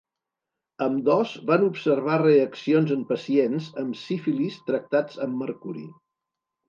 Ambdós van observar reaccions en pacients amb sífilis tractats amb mercuri.